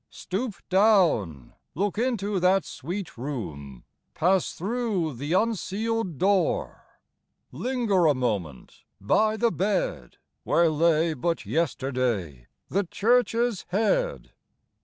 Stoop down : look into that sweet room, Pass through the unsealed door ; Linger a moment by the bed, Where lay but yesterday the Church's Head.